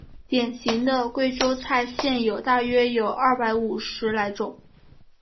典型的贵州菜现有大约有二百五十来种。